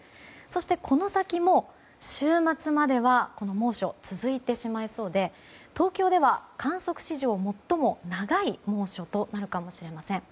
そしてこの先も週末まではこの猛暑が続いてしまいそうで東京では観測史上最も長い猛暑となるかもしれません。